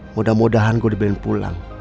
mudah mudahan gue dibikin pulang